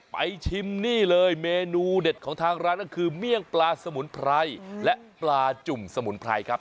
ชิมนี่เลยเมนูเด็ดของทางร้านก็คือเมี่ยงปลาสมุนไพรและปลาจุ่มสมุนไพรครับ